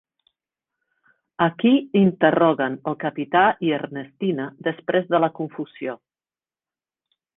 A qui interroguen el Capità i Ernestina després de la confusió?